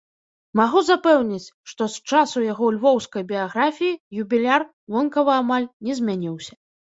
Магу запэўніць, што з часу яго львоўскай біяграфіі юбіляр вонкава амаль не змяніўся.